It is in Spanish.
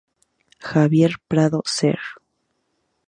Javier Prado, Ser.